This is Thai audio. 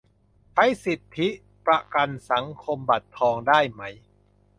ใช้สิทธิประกันสังคมบัตรทองได้ไหม